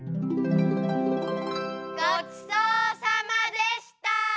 ごちそうさまでした！